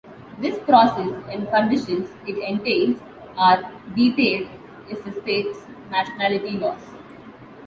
This process and the conditions it entails are detailed is the states' nationality laws.